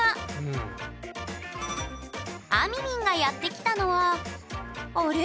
あみみんがやって来たのはあれ？